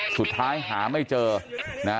สุดท้ายหาไม่เจอนะ